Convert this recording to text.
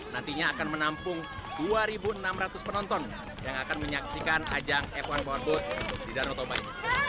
nantinya akan menampung dua enam ratus penonton yang akan menyaksikan ajang f satu powerboat di danau toba ini